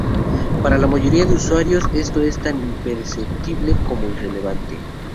Para la mayoría de usuarios esto es tan imperceptible como irrelevante.